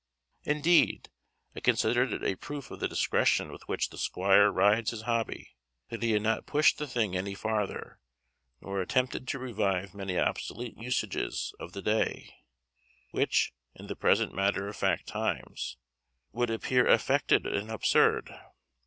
Indeed, I considered it a proof of the discretion with which the squire rides his hobby, that he had not pushed the thing any farther, nor attempted to revive many obsolete usages of the day, which, in the present matter of fact times, would appear affected and absurd.